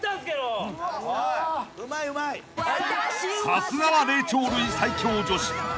［さすがは霊長類最強女子］